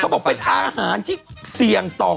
บอกเป็นอาหารที่เสี่ยงต่อ